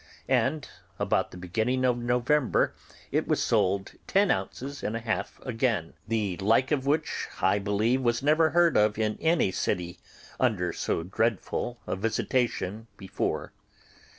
And about the beginning of November it was sold ten ounces and a half again; the like of which, I believe, was never heard of in any city, under so dreadful a visitation, before.